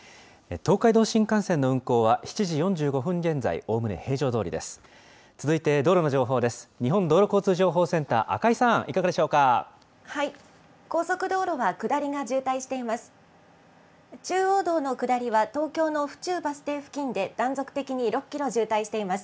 東海道新幹線の運行は、７時４５分現在、おおむね平常どおりです。